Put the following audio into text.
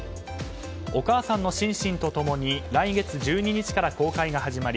お母さんのシンシンと共に来月１２日から公開が始まり